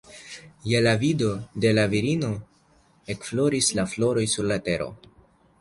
Je la vido de la virino ekfloris la floroj sur la tero